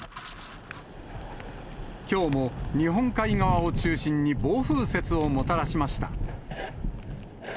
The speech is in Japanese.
きょうも日本海側を中心に暴風雪をもたらしました。